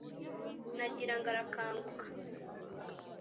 Nagira ngo arakanguka,